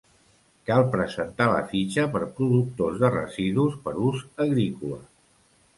Cal presentar la fitxa per productors de residus per ús agrícola.